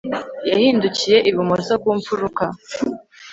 yahindukiye ibumoso ku mfuruka